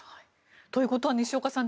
ということは西岡さん